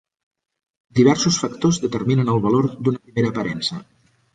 Diversos factors determinen el valor d'una primera aparença.